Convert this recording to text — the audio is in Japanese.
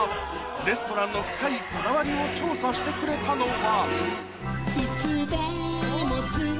レストランの深いこだわりを調査してくれたのは